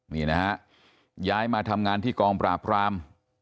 นี่นะฮะย้ายมาทำงานที่กองปราบราม